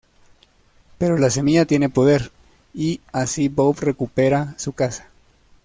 Pero la semilla tiene poder, y así Bob recupera su casa.